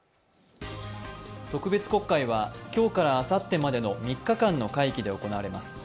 特別国会は今日からあさってまでの３日間の会期で行われます。